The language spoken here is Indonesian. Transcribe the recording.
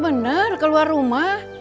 bener keluar rumah